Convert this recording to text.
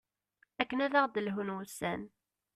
akken ad aɣ-d-lhun wussan